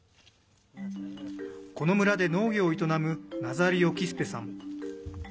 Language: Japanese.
この村で農業を営むナザリオ・キスペさん。